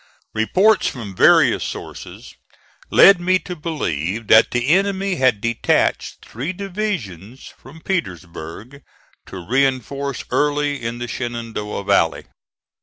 Reports from various sources led me to believe that the enemy had detached three divisions from Petersburg to reinforce Early in the Shenandoah Valley.